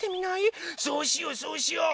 そうしようそうしよう！